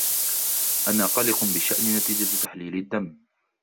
أنا قلق بشأن نتيجة تحليل الدم.